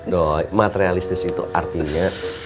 doi materialistis itu artinya